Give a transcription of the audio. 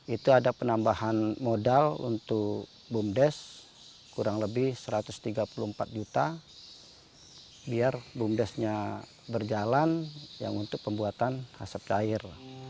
itu ada penambahan modal untuk bumdes kurang lebih satu ratus tiga puluh empat juta biar bumdesnya berjalan yang untuk pembuatan asap cair